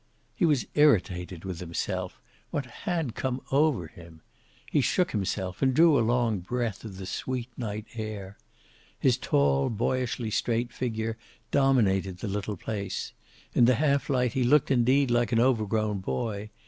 He was irritated with himself. What had come over him? He shook himself, and drew a long breath of the sweet night air. His tall, boyishly straight figure dominated the little place. In the half light he looked, indeed, like an overgrown boy.